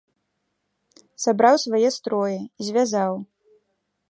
Сабраў свае строі, звязаў.